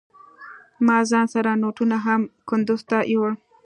ما ځان سره نوټونه هم کندوز ته يوړل.